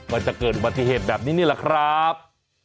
มันจะเกิดอุบัติเหตุแบบนี้นี่แหละครับ